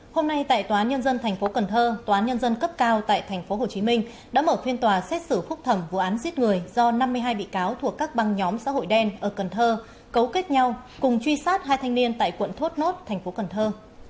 hôm nay tại tòa án nhân dân tp cần thơ tòa án nhân dân cấp cao tại tp hồ chí minh đã mở phiên tòa xét xử phúc thẩm vụ án giết người do năm mươi hai bị cáo thuộc các băng nhóm xã hội đen ở cần thơ cấu kết nhau cùng truy sát hai thanh niên tại quận thuốt nốt tp cần thơ